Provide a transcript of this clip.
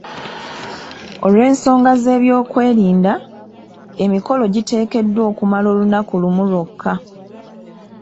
Olw'ensonga z'ebyokwerinda, emikolo giteekeddwa okumala olunaku lumu lwokka.